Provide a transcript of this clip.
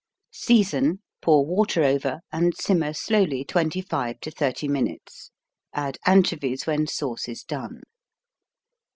Season, pour water over and simmer slowly 25 to 30 minutes. Add anchovies when sauce is done.